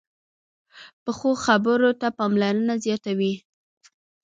پخو خبرو ته پاملرنه زیاته وي